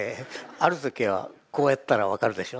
ある時はこうやったら分かるでしょ？